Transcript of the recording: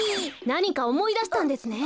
なにかおもいだしたんですね！？